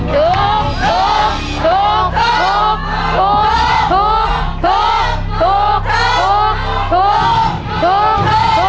ผิดครับลูก